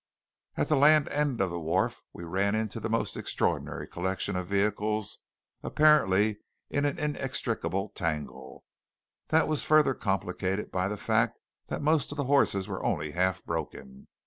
At the land end of the wharf we ran into the most extraordinary collection of vehicles apparently in an inextricable tangle, that was further complicated by the fact that most of the horses were only half broken.